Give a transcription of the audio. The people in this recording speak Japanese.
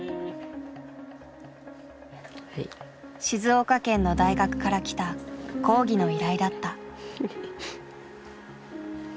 静岡県の大学から来た講義の依頼だった。